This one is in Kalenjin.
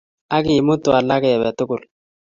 Ak kimutu alaka, kebe tugul